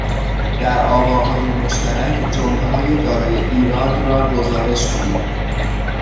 در آواهای مشترک جملههای دارای ایراد را گزارش کنید